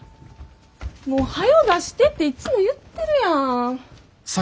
もうはよう出してっていつも言ってるやん。